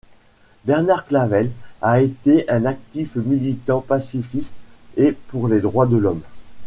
Bernard Clavel a été un actif militant pacifiste et pour les droits de l’Homme.